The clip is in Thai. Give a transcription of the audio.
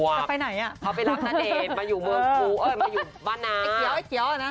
เขาไปรักนาเดชน์มาอยู่เมืองคูเอ้ยมาอยู่บ้านน้ำ